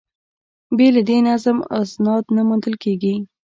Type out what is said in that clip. بې له دې نظم، اسناد نه موندل کېږي.